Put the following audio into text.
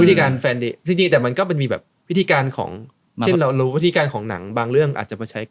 วิธีการแฟนเด็กจริงแต่มันก็เป็นมีแบบวิธีการของเช่นเรารู้วิธีการของหนังบางเรื่องอาจจะมาใช้